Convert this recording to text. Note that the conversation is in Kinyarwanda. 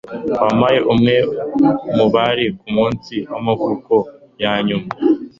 Wampaye umwe mubari kumunsi wamavuko yanyuma